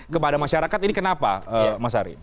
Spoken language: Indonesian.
kepada masyarakat ini kenapa mas ari